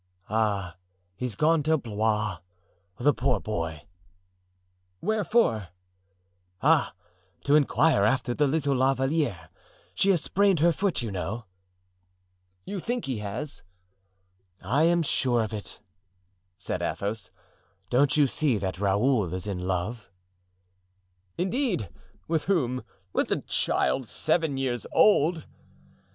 "Ah, he's gone to Blois; the poor boy——" "Wherefore?" "Ah, to inquire after the little La Valliere; she has sprained her foot, you know." "You think he has?" "I am sure of it," said Athos; "don't you see that Raoul is in love?" "Indeed! with whom—with a child seven years old?"